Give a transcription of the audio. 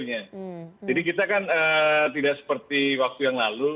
jadi kita kan tidak seperti waktu yang lalu